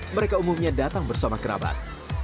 mereka umumnya datang bersama kerabat